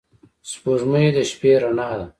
سپوږمۍ د شپې رڼا ده